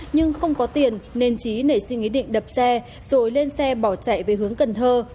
nhưng không có tiền nên trí nảy sinh ý định đập xe rồi lên xe bỏ chạy về hướng cần thơ